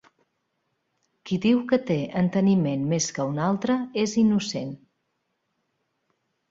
Qui diu que té enteniment més que un altre, és innocent.